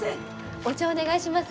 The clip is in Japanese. お茶お願いします。